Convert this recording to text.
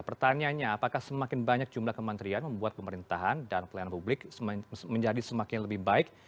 pertanyaannya apakah semakin banyak jumlah kementerian membuat pemerintahan dan pelayanan publik menjadi semakin lebih baik